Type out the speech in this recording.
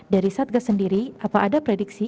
dari satgas sendiri apa ada prediksi